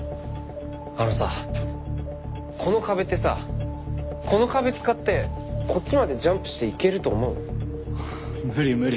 あのさこの壁ってさこの壁使ってこっちまでジャンプして行けると思う？はあ無理無理。